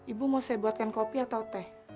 ibu mau saya buatkan kopi atau teh